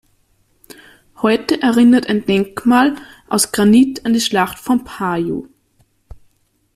Heute erinnert ein Denkmal aus Granit an die Schlacht von Paju.